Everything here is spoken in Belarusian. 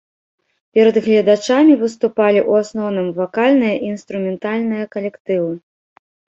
Перад гледачамі выступалі ў асноўным вакальныя і інструментальныя калектывы.